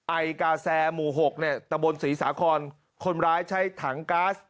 ไอกาแซหมู่หกเนี่ยตะบนศรีสาครคนร้ายใช้ถังก๊าซ